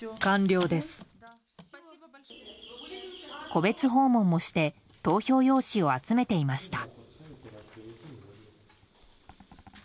戸別訪問もして投票用紙を集めていました。